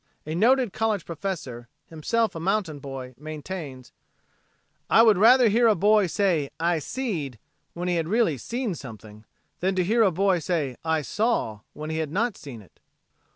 A noted college professor, himself a mountain boy, maintains: "I would rather hear a boy say 'I seed' when he had really seen something, than to hear a boy say 'I saw' when he had not seen it."